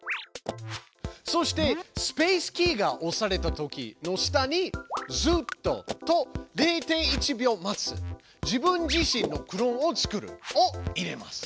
そして「スペースキーが押されたとき」の下に「ずっと」と「０．１秒待つ」「自分自身のクローンを作る」を入れます。